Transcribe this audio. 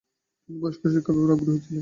তিনি বয়স্ক শিক্ষার ব্যাপারে আগ্রহী ছিলেন।